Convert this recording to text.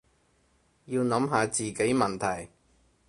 要諗下自己問題